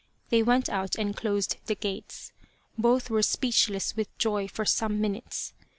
They went out and closed the gates. Both were speechless with joy for some minutes.